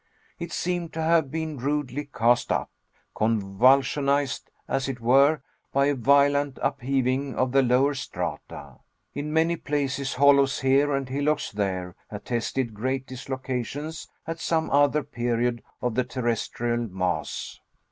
It seemed to have been rudely cast up, convulsionized, as it were, by a violent upheaving of the lower strata. In many places, hollows here and hillocks there attested great dislocations at some other period of the terrestrial mass.